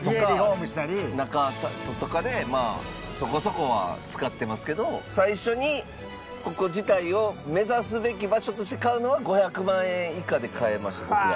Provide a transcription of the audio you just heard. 中とかでまあそこそこは使ってますけど最初にここ自体を目指すべき場所として買うのは５００万円以下で買えました僕は。